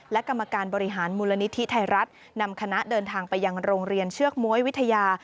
และกรรมการบริหารมูลนิธิไทยรัฐนำคณะเดินทางไปยังโรงเรียนเชือกม้วยวิทยา